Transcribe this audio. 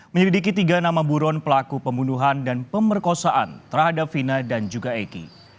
menyelidiki tiga nama buron pelaku pembunuhan dan pemerkosaan terhadap vina dan juga egy